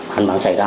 hàn bằng xảy ra